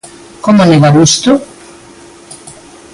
¡Como negar isto!